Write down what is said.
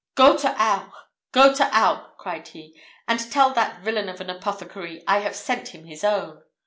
'Go to Auch! go to Auch!' cried he, 'and tell that villain of an apothecary I have sent him his own.'